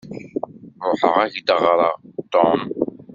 Ruḥeɣ ad k-d-aɣreɣ "Tom".